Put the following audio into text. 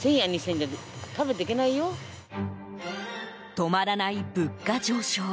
止まらない物価上昇。